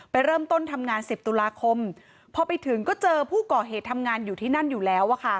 เริ่มต้นทำงาน๑๐ตุลาคมพอไปถึงก็เจอผู้ก่อเหตุทำงานอยู่ที่นั่นอยู่แล้ว